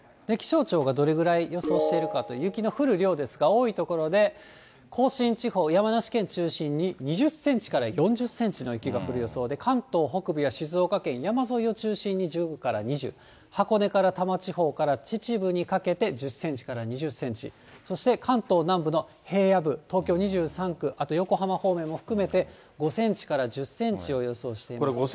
気象庁がどれぐらい予想しているかと、雪の降る量ですが、多い所で甲信地方、山梨県中心に２０センチから４０センチの雪が降る予想で、関東北部や静岡県、山沿いを中心に１０から２０、箱根から多摩地方から秩父にかけて１０センチから２０センチ、そして関東南部の平野部、東京２３区、あと横浜方面も含めて、５センチから１０センチを予想しています。